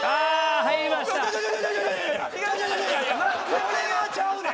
これはちゃうで！